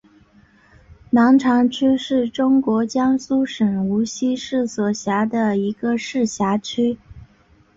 南长区是中国江苏省无锡市所辖的一个市辖区。